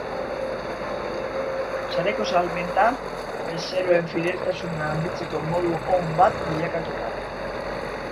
Sareko salmenta bezeroen fideltasuna handitzeko modu on bat bilakatu da.